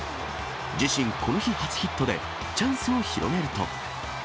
自身、この日初ヒットで、チャンスを広げると。